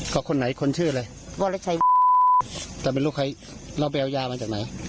ก็คนไหนคนชื่ออะไรก็แล้วใครแต่ไม่รู้ใครเราไปเอายามาจากไหน